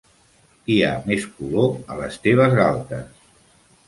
Hi ha més color a les teves galtes.